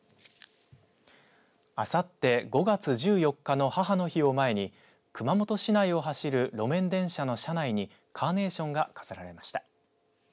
あさって５月１４日の母の日を前に熊本市内を走る路面電車の車内にカーネーションが飾られました。